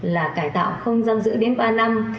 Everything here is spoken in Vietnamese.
là cải tạo không giam giữ đến ba năm